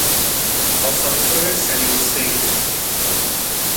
آسانسور سری السیر